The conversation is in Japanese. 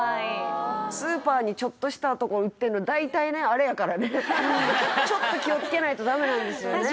スーパーにちょっとしたとこに売ってんのちょっと気をつけないとダメなんですよね